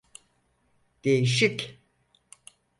Değişik.